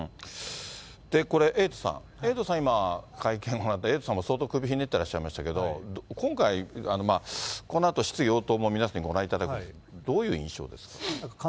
これ、エイトさん、エイトさん、今、会見終わって、相当首ひねってらっしゃいましたけれども、今回、このあと質疑応答も皆さんにご覧いただきますけど、どういう印象でしたか。